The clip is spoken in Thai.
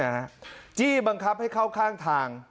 จี้บังคับให้เข้าข้างทาง